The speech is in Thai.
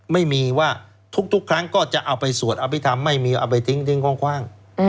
ไม่มีว่าทุกครั้งก็จะเอาไปสวดอภิษฐรรมไม่มีเอาไปทิ้งคว่าง